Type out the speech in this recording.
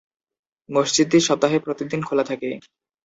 মসজিদটি সপ্তাহে প্রতিদিন খোলা থাকে।